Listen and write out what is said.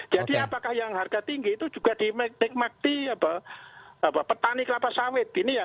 jadi apakah yang harga tinggi itu juga dinikmati petani kelapa sawit